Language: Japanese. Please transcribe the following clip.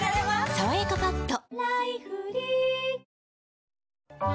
「さわやかパッド」